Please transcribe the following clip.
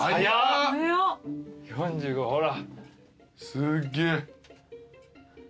すっげえ。